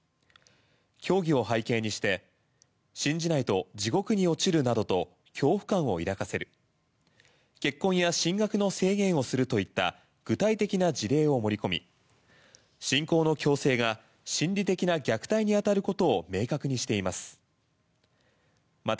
教義を背景にして信じないと地獄に落ちるなどと恐怖感を抱かせる結婚や進学の制限をするといった具体的な事例を盛り込み信仰の強制が心理的な虐待に当たることを明確にしています。